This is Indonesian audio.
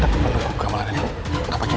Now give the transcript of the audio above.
hanyalah itu good news sih